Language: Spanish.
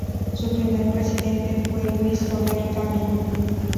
Su primer presidente fue Luis Soler Camino.